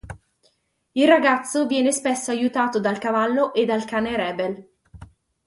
Il ragazzo viene spesso aiutato dal cavallo e dal cane Rebel.